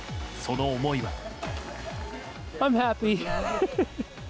その思いは。